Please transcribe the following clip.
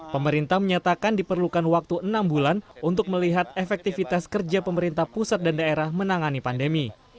pemerintah menyatakan diperlukan waktu enam bulan untuk melihat efektivitas kerja pemerintah pusat dan daerah menangani pandemi